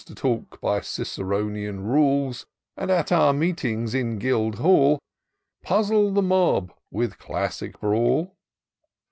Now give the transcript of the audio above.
To talk by Ciceronian rules ; And at our meetings in Guildhall Puzzle the mob with classic brawl